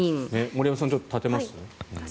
森山さんちょっと立てます？